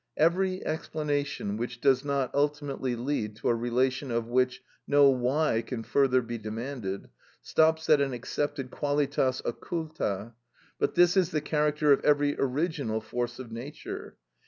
Every explanation which does not ultimately lead to a relation of which no "why" can further be demanded, stops at an accepted qualitas occulta; but this is the character of every original force of nature.